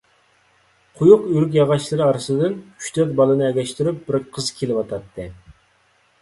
قويۇق ئۆرۈك ياغاچلىرى ئارىسىدىن ئۈچ-تۆت بالىنى ئەگەشتۈرۈپ، بىر قىز كېلىۋاتاتتى.